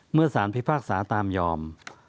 เมื่อสารพิพากษาตามยอม